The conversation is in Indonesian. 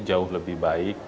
jauh lebih baik